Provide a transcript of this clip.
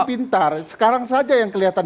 pintar sekarang saja yang kelihatan